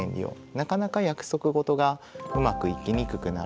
なかなか約束事がうまくいきにくくなる。